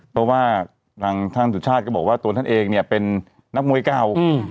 เพราะว่าทางท่านสุชาติก็บอกว่าตัวท่านเองเนี่ยเป็นนักมวยเก่า